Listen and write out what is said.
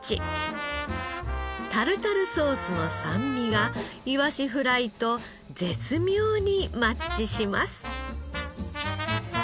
タルタルソースの酸味がいわしフライと絶妙にマッチします。